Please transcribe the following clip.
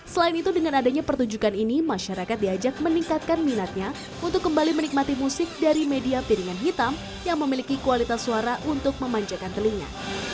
selain itu dengan adanya pertunjukan ini masyarakat diajak meningkatkan minatnya untuk kembali menikmati musik dari media piringan hitam yang memiliki kualitas suara untuk memanjakan telinga